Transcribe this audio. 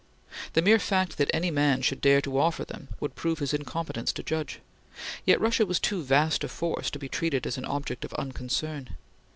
The mere fact that any man should dare to offer them would prove his incompetence to judge. Yet Russia was too vast a force to be treated as an object of unconcern.